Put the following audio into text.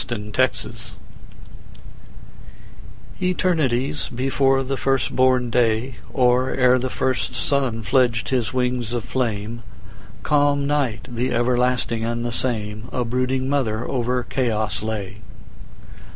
Mother Night ETERNITIES before the first born day, Or ere the first sun fledged his wings of flame, Calm Night, the everlasting and the same,A brooding mother over chaos lay.